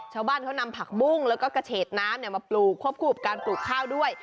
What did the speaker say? ชาวบ้านเขานำผักบุ้งแล้วก็กระเฉดน้ำมาปลูกควบคู่กับการปลูกข้าวด้วย